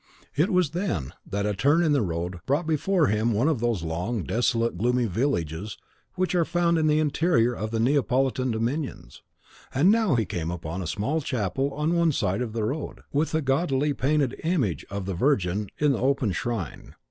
It was then that a turn in the road brought before him one of those long, desolate, gloomy villages which are found in the interior of the Neapolitan dominions: and now he came upon a small chapel on one side the road, with a gaudily painted image of the Virgin in the open shrine.